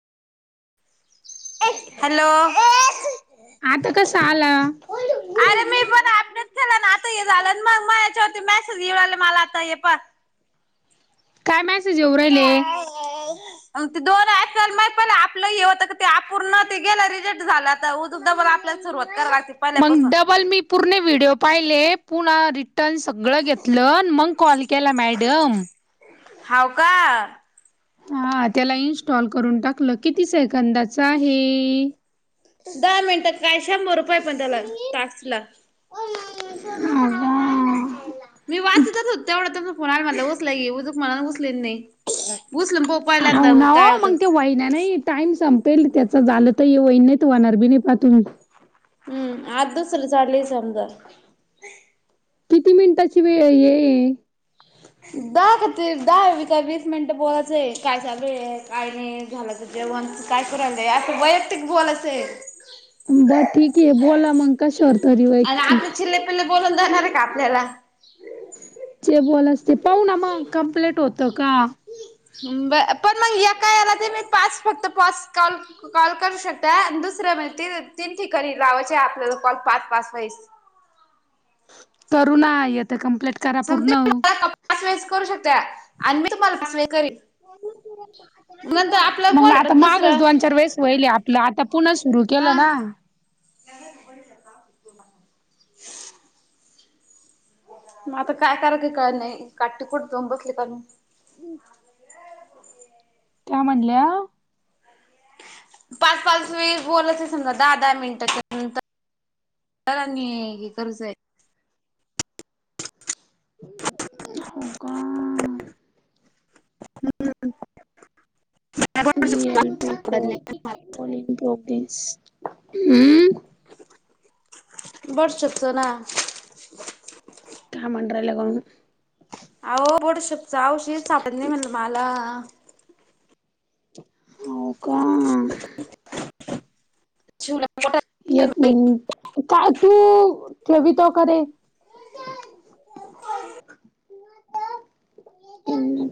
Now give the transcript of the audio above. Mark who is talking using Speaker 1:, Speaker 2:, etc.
Speaker 1: Hello.
Speaker 2: आता कसं आला.
Speaker 1: अरे मी पण अपडेट केलं ना आता हे झालं मग म याच्यावरती मेसेज येऊ आले मला आता हे पण
Speaker 2: काय मॅसेज येव राहिले.
Speaker 1: ग ते दोन असल मा प आपलं होतं ते आपूर्ण ते गेलं रिजेक्ट झाला. उमण आपल्याला सुरवात कर.
Speaker 2: मग डबल मी प पुर्णे व्हिडिओ पाहिले पुन्हा रिटर्न सगळं घेतलं मग कॉल केला मॅडम
Speaker 1: हवका.
Speaker 2: हा त्याला इन्स्टॉल करून टाकलं किती सेकंदाच आहे.
Speaker 1: दहा मिनटं काय शंभर रुपय पण त्याला तासला
Speaker 2: ह.
Speaker 1: मी वाचतच हो तेवढं तुनाला मझला उसलाय एवढ त मनाला उचले नाही. पुसलं पो पहिल्यांदा काय होतं.
Speaker 2: वहि नाही. टाइम संपेल त्याचा झालं तर येवईन नाही तर होणार बी नाही पाह तु
Speaker 1: हम्म आज दुसरं चाढले समजा.
Speaker 2: किती मिनिटाची वेळ ये.
Speaker 1: दहा खातर दहा व का वीस मिनिटं बोलायचंय कायसा वेळ काय नाही झाला. जेवण काय करायला जाई या वैयक्तिक भोल असेल.
Speaker 2: बर ठीक आहे बोला मंग कशर तरी वैठीक.
Speaker 1: आप बोलून जाणार आहे का आपल्याला
Speaker 2: चे बोल असते पाह ना मग कमप्लेट होतं का?
Speaker 1: ब पण मग या काय याला ते मी पाच फक्त पास कल. कॉल करू शकता दुसर्या मिळतील तीन ठिकाणी लावायचे आपल्याला कॉल पाच पाच वैस
Speaker 2: करु ना आता कमप्लीट करा
Speaker 1: समजे
Speaker 2: पूर्ण
Speaker 1: मला पाच वेळेस करू शकता आणि मी तुम्हाला पाच वेळेस करन
Speaker 2: हो मग
Speaker 1: कोण
Speaker 2: आता
Speaker 1: भेटन
Speaker 2: मागच
Speaker 1: दुसरं
Speaker 2: दोन चार वेळेस वईल आपलं आता पुन्हा सुरू केलं ना
Speaker 1: ह मग आता काय कराय कळल नाही काट्टीकुठ जाऊन बसली कार मी
Speaker 2: त्या म्हणल्या
Speaker 1: पाच पाच वेळेस बोलच समजा दहा दहा मिनिटच्यांतर तरनी हे करूचय [unintelligible]
Speaker 2: हो का
Speaker 1: हम्म [unintelligible]
Speaker 2: ब प्रोलीस हम् [unintelligible]
Speaker 1: बड शकतौ ना
Speaker 2: का म्हड्र लगून [unintelligible]
Speaker 1: अहो बड शप च आवशीद सापडली म्हणल मला
Speaker 2: हो का
Speaker 1: [unintelligible] शिवला
Speaker 2: एक मिनट काय तू ठे तो करे